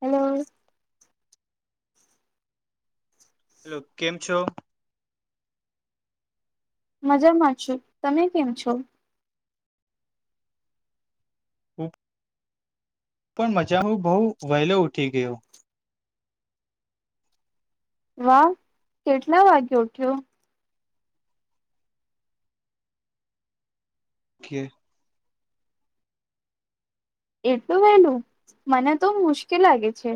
Hello. Hello કેમ છો? મજામાં છો તમે કેમ છો? પણ મજા હ બહુ વહેલો ઊઠી ગયો. વાહ કેટલા વાગે ઉઠ્યો. [unintelligible] એટલું વેલું મને તો મુશ્કેલ લાગે છે.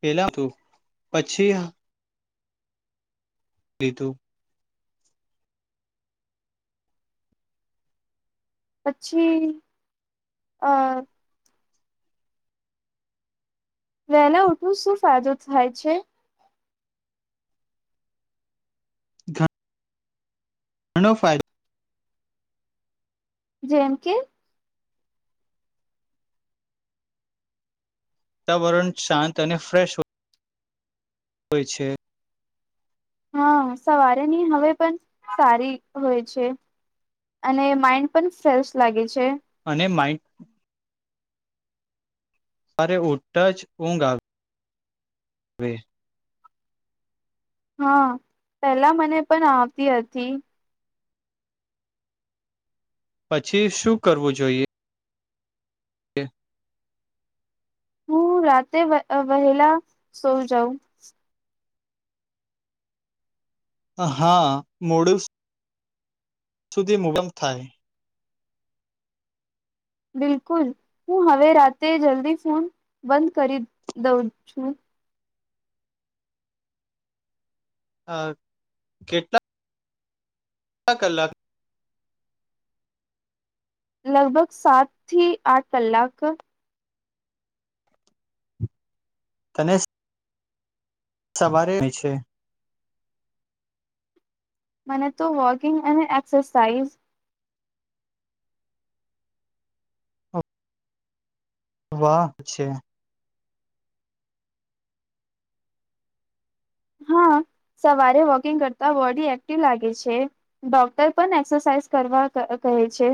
પેલા તું પછી. લીધું. પછી આ વેલા ઉઠવ શું ફાયદો થાય છે. થા ઘણો ફાયદો જેમ કે વાતાવરણ શાંત અને ફ્રેશ હોય હોય છે હા સવારેની હવે પણ સારી હોય છે અને માઈન્ડ પણ ફ્રેશ લાગે છે ને માઇ અરે ઊટ જ ઊંઘ આવી હવે હા પેલા મને પણ આવતી હતી પછી શું કરવું જોઈએ હ હું રાતે વહેલા સો જાઉં. હા મોડું સુધી મુબમ થાય. બિલકુલ હું હવે રાતેે જલ્દી ફોન બંધ કરી દઉં છું. અ કેટલા અલા ક. લગભગ સાત થી આઠ કલાક. તને સવારે છે. મને તો વોકિંગ અને એક્સરસાાઈઝ. વાહ છે. હા સવારે વોકિંગ કરતા બોડી એક્ટિવ લાગે છે ડોક્ટર પણ એક્સરસાઇઝ કરવા કહે છે.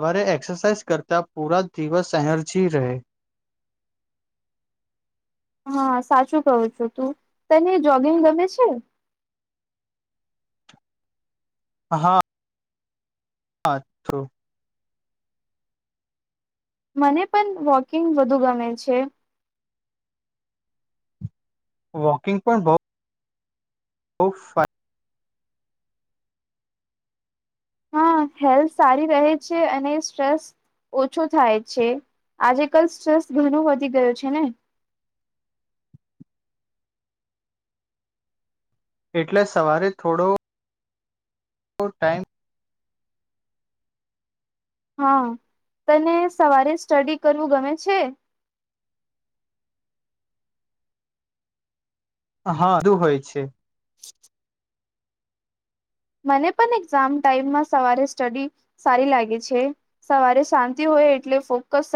સરે એક્સરસાઇઝ કરતા પૂરા દિવસ એનર્જી રહે. હા સાચું કહું છું તું તને જોગિંગ ગમે છે. હા હા. હા તો. મને પણ વોકિંગ વધુ ગમે છે. વોકિંગ પણ બહ બ ફ [inaudible] હા હેલ્થ સારી રહે છે અને સ્ટ્રેસ ઓછો થાય છે આજે કલ સ્ટ્રેસ ઘણો વધી ગયો છે ને. એટલે સવારે થોડો ટાઈમ હા તને સવારે સ્ટડી કરવું ગમે છે. હાધું હોય છે [inaudible] મને પણ એક્ઝામ ટાાઈમમાં સવારે સ્ટડી સારી લાગે છે સવારે શાંતિ હોય એટલે ફોકસ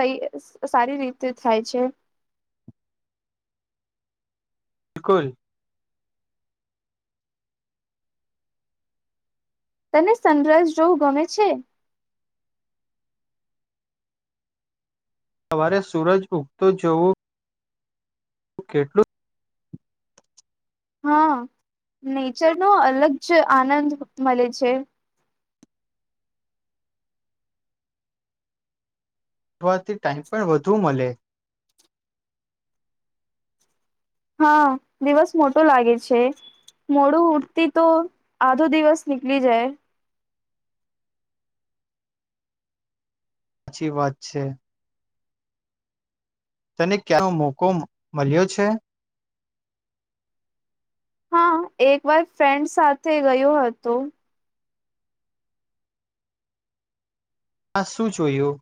સારી રીતે થાય છે. બિલકુલ. તને સનરાઝ જોવું ગમે છે. સવારે સૂરજ ઊગતો જોવું હું કેટલું હા નેચરનોો અલગ જ આનંદ મળે છે. અવાથી ટાઈઇમ પણ વધુ મળે. હા દિવસ મોટો લાગે છે મોડું ઉઠતી તો આધો દિવસ નીકળી જાય. સાચી વાત છે તને ક્યાંનો મોકો મળ્યો છે. હા એક વાર ફ્રેન્ડ સાથે ગયો હતો. આા શું જોયું.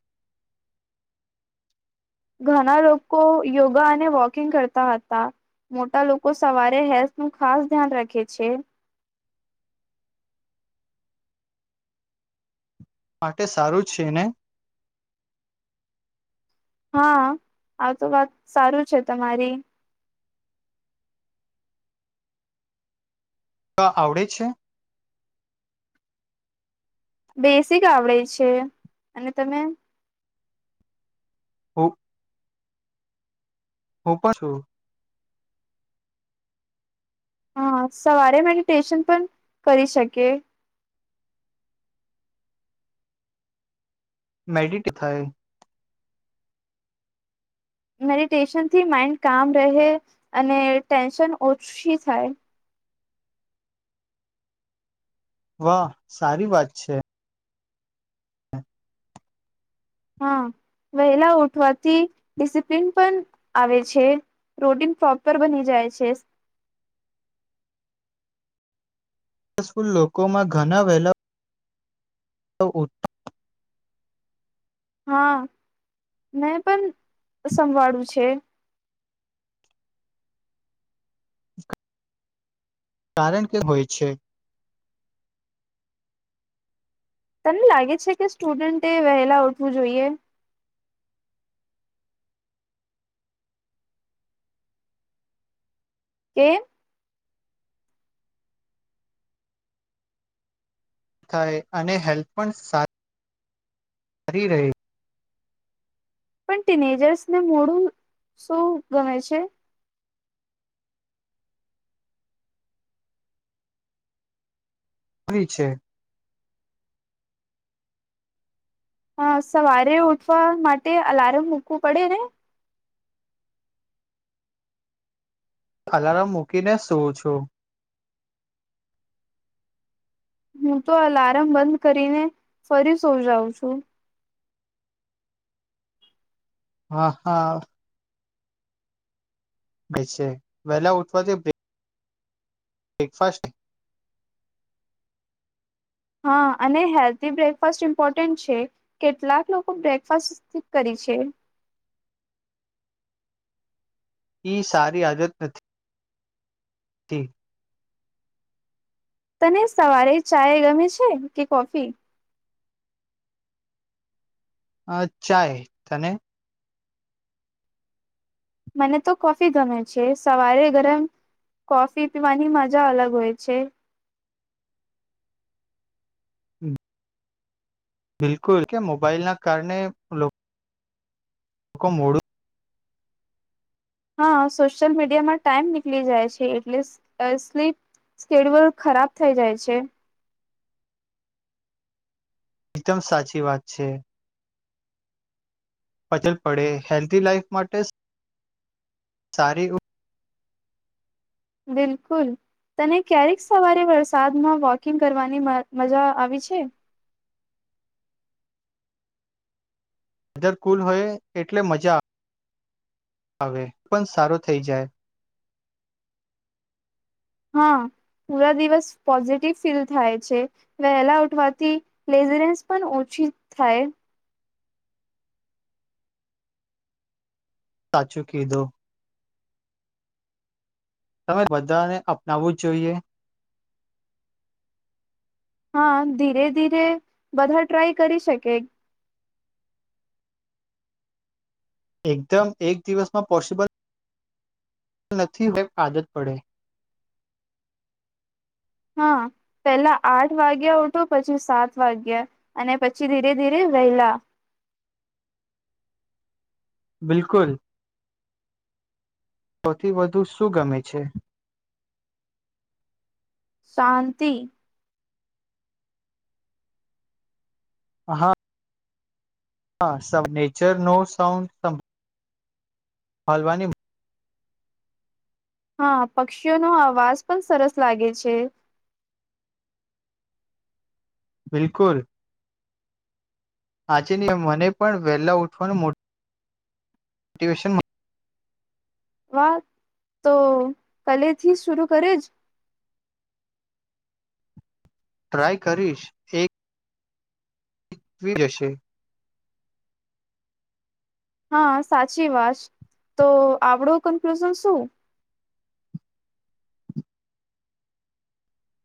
ઘણા લોકો યોગા અને વોકિંગ કરતા હતા મોટા લોકો સવારે હેલ્થ નું ખાસ ધ્યાન રાખે છે. માટે સારું છે ને. હા આવતો વાત સારું છે તમારી. ક આવડે છે. બેસિક આવડે છે અને તમે. હ [inaudible] હું પણ છું હા સવારે મેડિટેશન પણ કરી શકે મેડીટ થાાય મેડિટેશનથી માઈન્ડ કામ રહે અને ટેન્શન ઓછી થાય. વાહ સારી વાત છે. હા વહેલા ઉઠવાથી ડિસિપ્લિન પણ આવે છે રોટીન પ્રોપર બની જાય છે. સકુલ લોકોમાં ઘણા વહેલા તો ઉઠ હા મેં પણ સંવાળું છે. [inaudible] કારણ કે હોય છે. તને લાગે છે કે સ્ટુડન્ટ એ વહેલા ઉઠવું જોઈએ. કેમ થાય અને હેલ્થ પણ સાર સહી રહે પણ ટીનેજર્સને મોડું શું ગમે છે. કોની છે. હ સવારે ઉઠવા માટે અલાર્મ મૂકવું પડે ને અલાર્મ મૂકીને સું છું. હું તો અલાર્મ બંધ કરીને ફરી સોજાવં છું. હા હા બે છે વહેલા ઉઠવાથી બ્રેકફાસાસ્ટ હા અને હેલ્ધી બ્રેકફાસ્ટ ઇમ્પોર્ટન્ટ છે કેટલાક લોકો બ્રેકફાસ્ટ કરી છે. ઈ સારી આદત નથી તે તને સવારે ચાય ગમે છે કે કોફી અ ચાય તને મને તો કોફી ગમે છે સવારે ગરમ કોફી પીવાની મજા અલગ હોય છે. બિલકુલ કે મોબાઈલના કારણે લોકો મુખ મોડું હા સોશિયલ મીડિયામાં ટાઈમ નીકળી જાય છે એટલે સ્લીપ સ્કેડ્યુલ ખરાબ થઈ જાય છે. એકદમ સાચી વાત છે. ફજલ પડે હેલ્ધ લાઈફ માટે સારી બિલકુલ તને ક્યારેક સવારે વરસાદમાં વોકિંગ કરવાની મજા આવી છે. વેધર કુલ હોય એટલે મજા આવે હવે પણ સારો થઈ જાય હા પૂરા દિવસ પોઝિટિવ ફીલ થાય છે વહેલા ઉઠવાથી લેઝરનેસ પણ ઓછી થાય. સાચુ કીધું તમે બધાને અપનાવવું જ જોઈએ હા ધીરે ધીરે બધા ટ્રાય કરી શકે એકદમ એક દિવસમાં પોસિબલ નથી હોય આદત પડે હા પેલા આઠ વાગ્યા ઉઠો પછી સાત વાગ્યા અને પછી ધીરે ધીરે વેલા બિલકુલ સૌથી વધુ શું ગમે છે. શાંતિ હા હા સમ નેચર નો સાઉન્ડ સમ હાલવાની હા પક્ષીઓનો અવાજ પણ સરસ લાગે છે. બિલકુલ આજે મને પણ વેલા ઉઠવાનું મોટીવેશન વાહ તો કાલે થી શરુ કરેજ ટ્રાય કરીશ એ જીતવી જશે હા સાચી વાત તો આવડું કન્ફ્યુઝન શું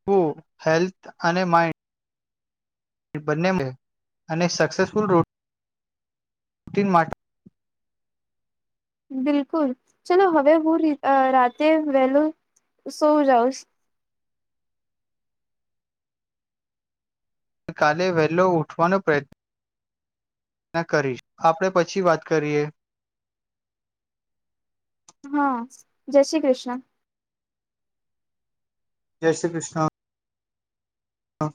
તો હેલ્થ અને માઇન્ડ બંને અને સક્સેસફુલ રોટીન મા બિલકુલ ચલો હવે હું અ રાતે વહેલો સૌ જાઉશ કાલે વહેલો ઉઠવાનો પ્રયત્ન કરીશ આપણે પછી વાત કરીએ હા જય શ્રી કૃષ્ણ જય શ્રી કૃષ્ણ હા